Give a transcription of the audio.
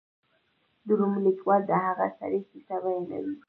د روم لیکوال د هغه سړي کیسه بیانوي.